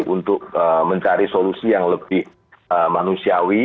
untuk mencari solusi yang lebih manusiawi